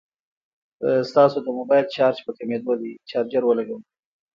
ستاسو د موبايل چارج په کميدو دی ، چارجر ولګوئ